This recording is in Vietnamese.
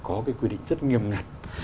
có cái quy định rất nghiêm ngặt